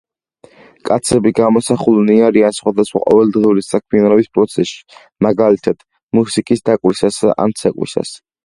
კაცები გამოსახულნი არიან სხვადასხვა ყოველდღიური საქმიანობის პროცესში, მაგალითად მუსიკის დაკვრისას ან ცეკვისას.